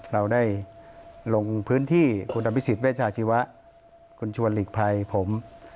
เราได้ลงพื้นที่คุณอภิษฎเวชาชีวะคุณชวนหลีกภัยผม